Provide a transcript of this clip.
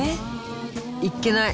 いっけない！